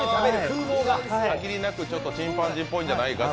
限りなくチンパンジーっぽいんじゃないかと。